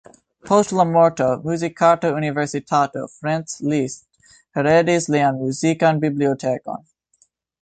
Post la morto Muzikarta Universitato Ferenc Liszt heredis lian muzikan bibliotekon.